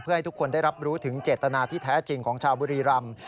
เพื่อให้ทุกคนได้รับรู้ถึงเจตนาที่แท้จริงของชาวบุรีรำ